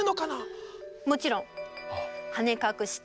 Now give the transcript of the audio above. もちろん。